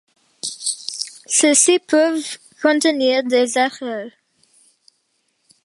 Ceux-ci peuvent contenir des erreurs.